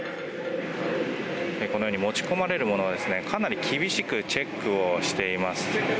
このように持ち込まれるものはかなり厳しくチェックをしています。